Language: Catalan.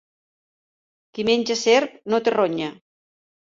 Qui menja serp no té ronya.